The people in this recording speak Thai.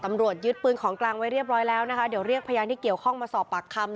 ตำรวจยึดปืนของกลางไว้เรียบร้อยแล้วนะคะเดี๋ยวเรียกพยานที่เกี่ยวข้องมาสอบปากคำ